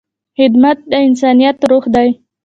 خدمت د انسانیت روح دی.